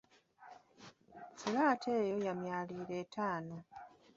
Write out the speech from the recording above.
Fulaati eyo ya myaliiro etaano.